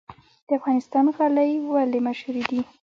د افغانستان غالۍ ولې مشهورې دي؟